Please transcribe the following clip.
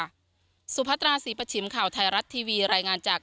ก็สุภัทราสีประชิมข่าวไทรัสทีวีรายงานจาก